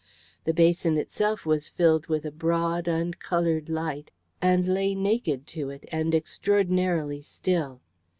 The basin itself was filled with a broad uncoloured light, and lay naked to it and extraordinarily still.